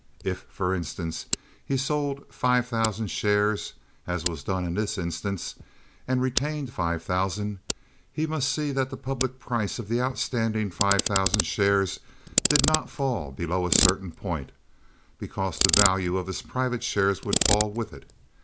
If, for instance, he sold five thousand shares, as was done in this instance, and retained five thousand, he must see that the public price of the outstanding five thousand shares did not fall below a certain point, because the value of his private shares would fall with it.